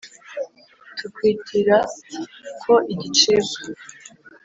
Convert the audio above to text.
tukwitira ko igicibwa